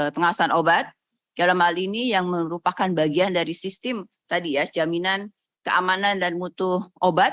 pengawasan obat dalam hal ini yang merupakan bagian dari sistem tadi ya jaminan keamanan dan mutu obat